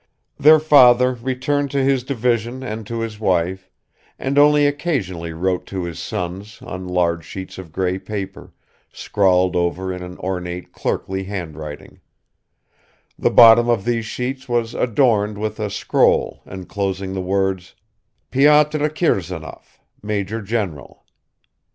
Their father returned to his division and to his wife and only occasionally wrote to his sons on large sheets of grey paper, scrawled over in an ornate clerkly handwriting; the bottom of these sheets was adorned with a scroll enclosing the words, "Pyotr Kirsanov, Major General."